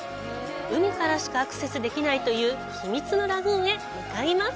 海からしかアクセスできないという秘密のラグーンへ向かいます！